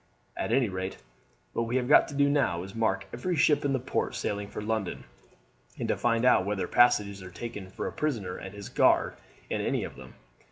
At any rate what we have got to do now is to mark every ship in the port sailing for London, and to find out whether passages are taken for a prisoner and his guard in any of them.